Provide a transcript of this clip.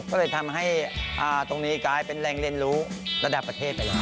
ก็เลยทำให้ตรงนี้กลายเป็นแหล่งเรียนรู้ระดับประเทศไปแล้ว